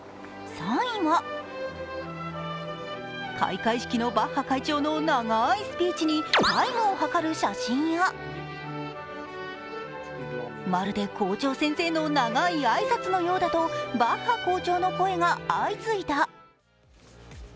３位は開会式のバッハ会長の長いスピーチにタイムをはかる写真や、まるで校長先生の長いスピーチのようだとバッハ校長の声が相次いだ。